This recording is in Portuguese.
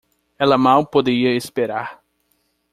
Ela mal podia esperar